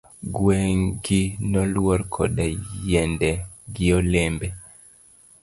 Gweng' gi noluor koda yiende gi olembe.